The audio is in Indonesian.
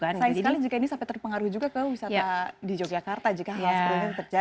sayang sekali jika ini sampai terpengaruh juga ke wisata di yogyakarta